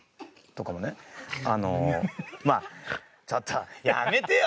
あのまあちょっとやめてよ！